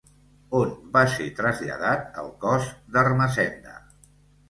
On va ser traslladat el cos d'Ermessenda?